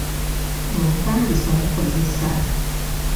Obupangisa bukozesa.